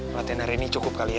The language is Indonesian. latihan hari ini cukup kali ya